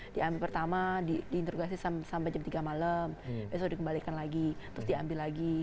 diambil pertama diinterogasi sampai jam tiga malam besok dikembalikan lagi terus diambil lagi